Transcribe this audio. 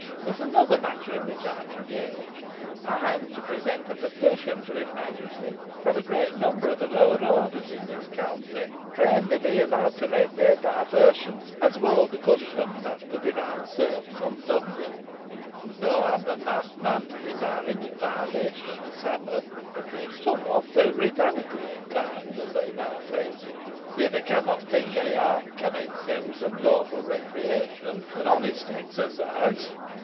There is another matter on which I am engaged. I am to present a petition to his Majesty from a great number of the lower orders in this county, praying they may be allowed to take their diversions, as of old accustomed, after divine service on Sundays; and, though I am the last man to desire any violation of the Sabbath, being somewhat puritanically inclined as they now phrase it, yet I cannot think any harm can ensue from lawful recreation and honest exercise.